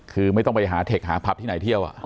คือไม่ต้องไปหาเทคหาผับที่ไหนเที่ยว